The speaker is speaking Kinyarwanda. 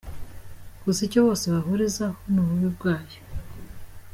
Gusa, icyo bose bahurizaho ni ububi bwayo.